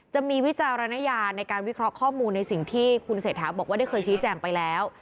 วิจารณญาณในการวิเคราะห์ข้อมูลในสิ่งที่คุณเศรษฐาบอกว่าได้เคยชี้แจงไปแล้ว